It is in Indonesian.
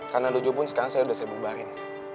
karena dojo pun sekarang saya udah sebumbarin